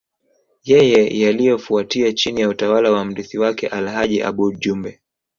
Yale yaliyofuatia chini ya utawala wa mrithi wake Alhaji Aboud Jumbe